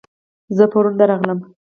زه پرون درغلم